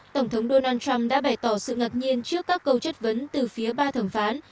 tổng thống donald trump đã bày tỏ sự ngạc nhiên trước các câu chất vấn từ phía ba thẩm phán